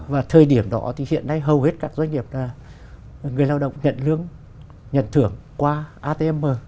và thời điểm đó thì hiện nay hầu hết các doanh nghiệp là người lao động nhận lương nhận thưởng qua atm